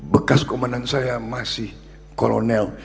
bekas komandan saya masih kolonel